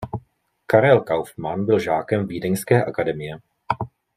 Karel Kaufmann byl žákem Vídeňské akademie.